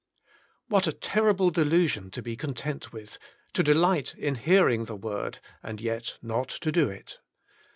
What a terrible delusion to be content with, to delight in hearing the word, and yet not to do it.